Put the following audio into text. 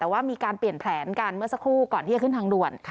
แต่ว่ามีการเปลี่ยนแผนกันเมื่อสักครู่ก่อนที่จะขึ้นทางด่วน